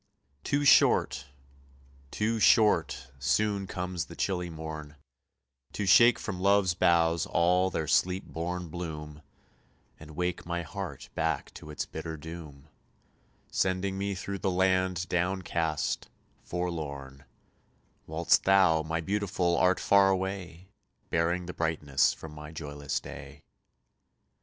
Too short too short soon comes the chilly morn, To shake from love's boughs all their sleep born bloom, And wake my heart back to its bitter doom, Sending me through the land down cast, forlorn, Whilst thou, my Beautiful, art far away, Bearing the brightness from my joyless day.